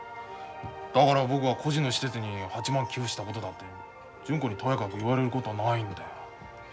だから僕が孤児の施設に８万寄付したことだって純子にとやかく言われることはないんだよ。